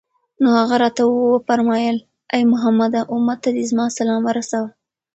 نو هغه راته وفرمايل: اې محمد! أمت ته دي زما سلام ورسوه